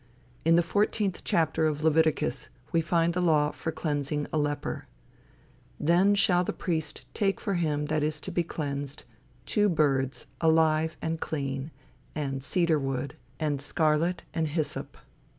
In the fourteenth chapter of Leviticus, we find the law for cleansing a leper: "Then shall the priest take for him that is to be cleansed, two birds, alive and clean, and cedar wood, and scarlet, and hyssop.